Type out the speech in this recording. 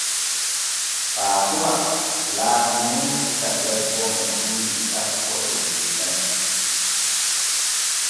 Faatuma laati suka debbo mo duuɓi sanpo e jeena'i.